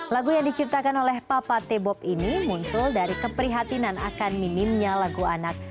lagu yang diciptakan oleh papa t bop ini muncul dari keprihatinan akan minimnya lagu anak